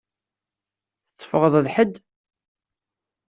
Tetteffɣeḍ d ḥedd?